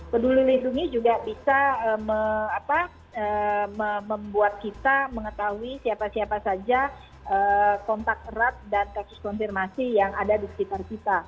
peduli lindungi juga bisa membuat kita mengetahui siapa siapa saja kontak erat dan kasus konfirmasi yang ada di sekitar kita